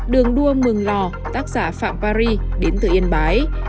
đường đua mường lò tác giả phạm paris đến từ yên bái